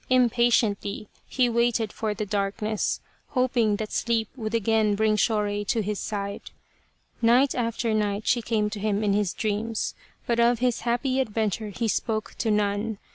Impatiently he waited for the darkness, hoping that sleep would again bring Shorei to his side. Night after night she came to him in his dreams, but of his happy adventure he spoke to none.